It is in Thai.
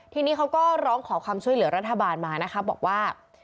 ทีนี้เขาก็ร้องขอความช่วยเหลือรัฐบาลมานะคะบอกว่า